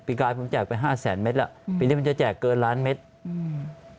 ปีกายผมแจกไป๕แสนเมตรแล้วปีนี้ผมจะแจกเกินล้านเมตร